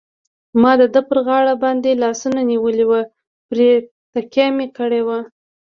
ما د ده پر غاړه باندې لاسونه نیولي وو، پرې تکیه مې کړې وه.